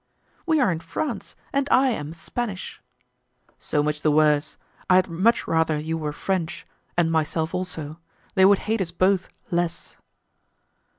"We are in France, and I am Spanish." "So much the worse; I had much rather you were French and myself also; they would hate us both less."